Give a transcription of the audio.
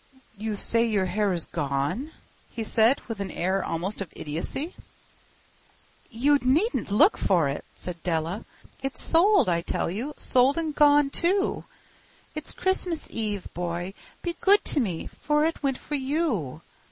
"You say your hair is gone?" he said, with an air almost of idiocy. "You needn't look for it," said Della. "It's sold, I tell you—sold and gone, too. It's Christmas Eve, boy. Be good to me, for it went for you.